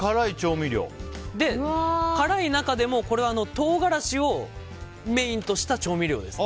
辛い中でもこれは唐辛子をメインとした調味料です。